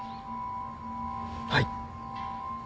はい。